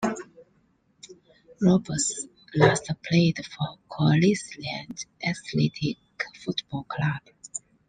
Roberts last played for Coalisland Athletic Football Club.